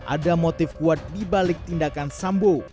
ada motif kuat dibalik tindakan sambo